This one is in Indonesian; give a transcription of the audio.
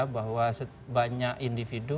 bahwa banyak individu